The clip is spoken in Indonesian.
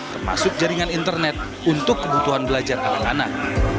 termasuk jaringan internet untuk kebutuhan belajar anak anak